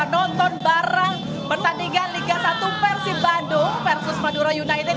nonton bareng pertandingan liga satu persib bandung versus madura united